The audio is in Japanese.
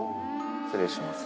失礼します。